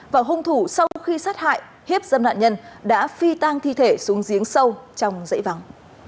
vào hùng thủ sau khi sát hại hiếp dân nạn nhân đã phi tang thi thể xuống giếng sâu trong dãy vắng